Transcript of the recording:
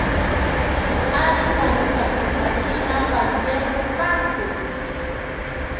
¿Ari pamitakotakina pante nopanko?